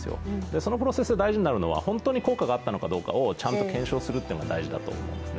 そのプロセスで大事になるのは本当に効果があったのかどうかを検証することが大事なんだと思うんですね。